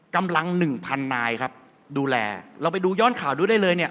กำลังหนึ่งพันนายครับดูแลเราไปดูย้อนข่าวดูได้เลยเนี่ย